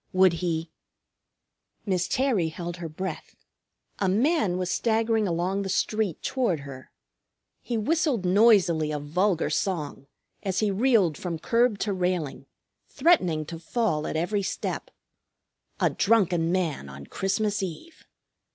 Would he Miss Terry held her breath. A man was staggering along the street toward her. He whistled noisily a vulgar song, as he reeled from curb to railing, threatening to fall at every step. A drunken man on Christmas Eve!